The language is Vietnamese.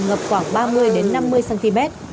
ngập khoảng ba mươi năm mươi cm